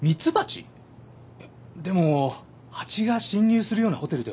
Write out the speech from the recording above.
いやでも蜂が侵入するようなホテルでは。